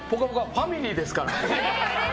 ファミリーですから。